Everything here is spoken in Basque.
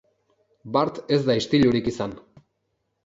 Bart ez da istilurik izan.